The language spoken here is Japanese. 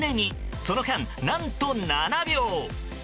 その間、何と７秒。